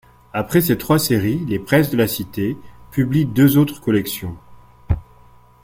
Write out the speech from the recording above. Après ces trois séries, Les Presses de la Cité publient deux autres collections.